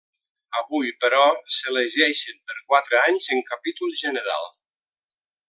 Avui, però, s'elegeixen per quatre anys en capítol general.